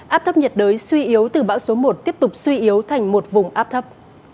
áp thấp nhiệt đới suy yếu từ bão số một tiếp tục suy yếu thành một vùng áp thấp